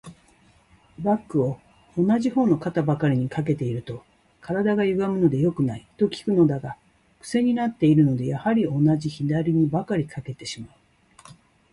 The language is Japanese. バッグを同じ方の肩ばかりに掛けていると、体がゆがむので良くない、と聞くのだが、クセになっているので、やはり同じ左にばかり掛けてしまう。